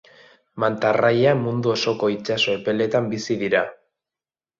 Manta-arraia mundu osoko itsaso epeletan bizi dira.